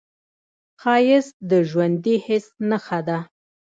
ښایست د ژوندي حس نښه ده